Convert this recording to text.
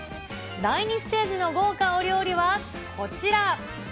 第２ステージの豪華お料理はこちら。